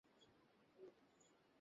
গাড়ি নিজ গতিতে ছুটতে থাকে।